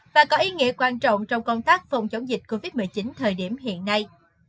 và có ý nghĩa quan trọng trong công tác phòng chống dịch covid một mươi chín thời điểm hiện nay